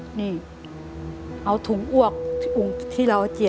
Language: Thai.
อเรนนี่นี่คือเหตุการณ์เริ่มต้นหลอนช่วงแรกแล้วมีอะไรอีก